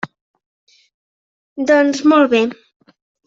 Doncs, molt bé.